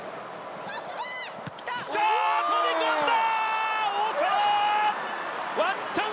飛び込んだ！